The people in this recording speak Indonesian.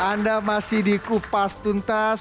anda masih di kupas tuntas